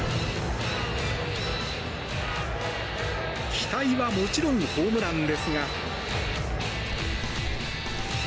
期待はもちろんホームランですが。